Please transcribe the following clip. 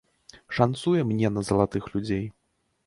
Шанцуе мне на залатых людзей.